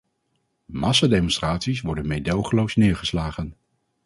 Massademonstraties worden meedogenloos neergeslagen.